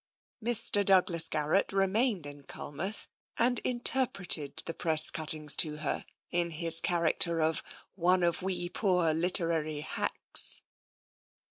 Mr. Douglas Garrett' remained in Culmouth and in terpreted the press cuttings to her in his character of *' one of we poor literary hacks."